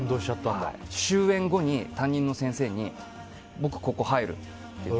終演後に担任の先生に僕、ここ入るって言って。